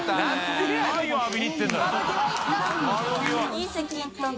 いい席行ったな。